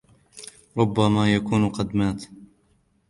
ربما يكون قد مات.